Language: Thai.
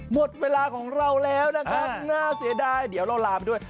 หมดเวลาของเราแล้วนะครับน่าเสียดายเดี๋ยวเราลาไปด้วย